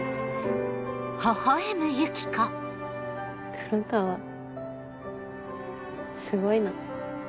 黒川はすごいな。